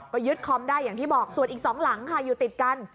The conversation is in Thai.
ก็ยึดคอมได้อย่างที่บอกส่วนอีก๒หลังค่ะอยู่ติดกัน